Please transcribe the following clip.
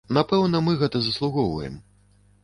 Напэўна, мы гэтага заслугоўваем.